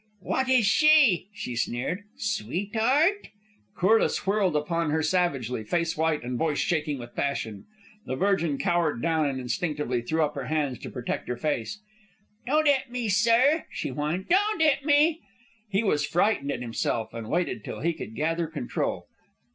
"Wot is she?" she sneered. "Sweet'eart?" Corliss whirled upon her savagely, face white and voice shaking with passion. The Virgin cowered down and instinctively threw up her hands to protect her face. "Don't 'it me, sir!" she whined. "Don't 'it me!" He was frightened at himself, and waited till he could gather control.